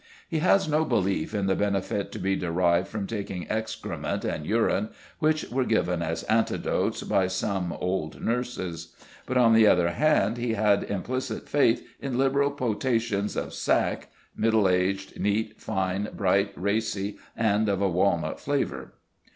He has no belief in the benefit to be derived from taking excrement and urine, which were given as antidotes by some old nurses; but, on the other hand, he had implicit faith in liberal potations of sack ("middle aged, neat, fine, bright, racy, and of a walnut flavour").